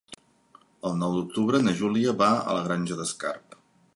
El nou d'octubre na Júlia va a la Granja d'Escarp.